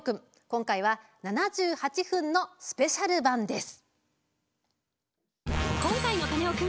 今回は７８分のスペシャル版です。